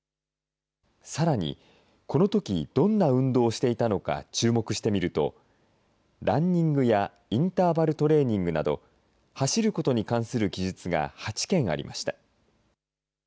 さらに、このとき、どんな運動をしていたのか注目してみると、ランニングやインターバルトレーニングなど、走ることに関する記述が８件ありました。